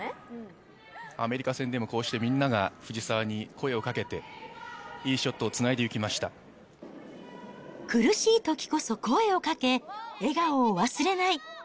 アメリカ戦でもこうして、みんなが藤澤に声をかけて、いいショットをつないでゆきました。苦しいときこそ声をかけ、笑顔を忘れない。